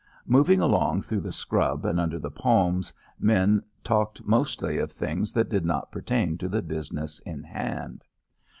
Moving along through the scrub and under the palms, men talked mostly of things that did not pertain to the business in hand.